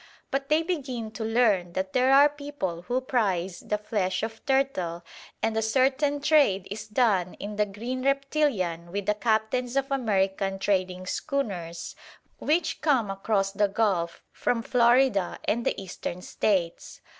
But they begin to learn that there are people who prize the flesh of turtle, and a certain trade is done in the green reptilian with the captains of American trading schooners which come across the Gulf from Florida and the Eastern States.